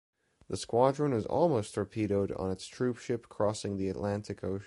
The squadron was almost torpedoed on its troop ship crossing the Atlantic Ocean.